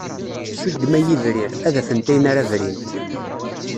Ssuddem a yibrir, ad afent ayen ara brint.